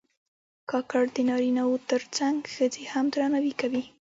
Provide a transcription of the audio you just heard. کاکړ د نارینه و تر څنګ ښځې هم درناوي کوي.